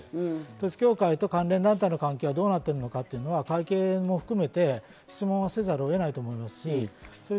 統一教会と関連団体の関係はどうなってるのか、関係も含めて質問せざるを得ないと思います。